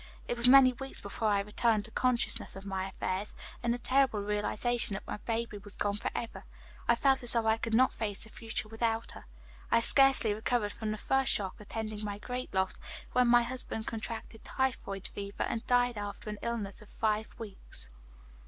It was many weeks before I returned to consciousness of my affairs, and the terrible realization that my baby was gone forever. I felt as though I could not face the future without her. I had scarcely recovered from the first shock attending my great loss, when my husband contracted typhoid fever and died after an illness of five weeks.